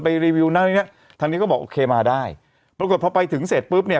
รีวิวนั่นตรงเนี้ยทางนี้ก็บอกโอเคมาได้ปรากฏพอไปถึงเสร็จปุ๊บเนี่ย